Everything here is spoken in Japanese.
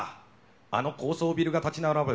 あの高層ビルが立ち並ぶ